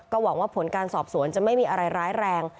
หวังว่าผลการสอบสวนจะไม่มีอะไรร้ายแรง